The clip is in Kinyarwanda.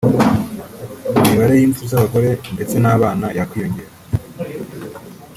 imibare y’imfu z’abagore ndetse n’abana yakwiyongera